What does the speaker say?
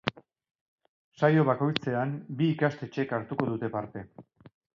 Saio bakoitzean, bi ikastetxek hartuko dute parte.